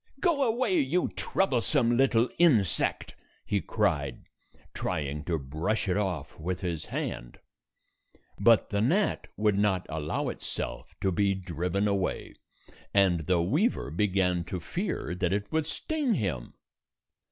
"Go away, you troublesome little insect," he cried, trying to brush it off with his hand. But the gnat would not allow itself to be 127 driven away, and the weaver began to fear that it would sting him.